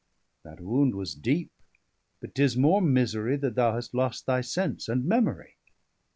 That wound was deep, but 'tis more misery, That thou hast lost thy sense and memory.